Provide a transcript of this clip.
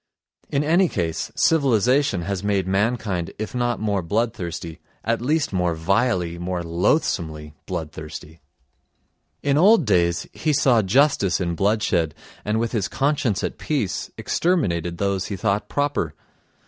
In any case civilisation has made mankind if not more bloodthirsty, at least more vilely, more loathsomely bloodthirsty. In old days he saw justice in bloodshed and with his conscience at peace exterminated those he thought proper.